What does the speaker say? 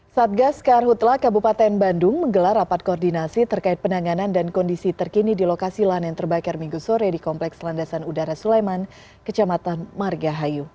satgas karhutla kabupaten bandung menggelar rapat koordinasi terkait penanganan dan kondisi terkini di lokasi lahan yang terbakar minggu sore di kompleks landasan udara sulaiman kecamatan margahayu